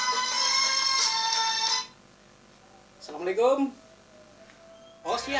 assalamualaikum pos ya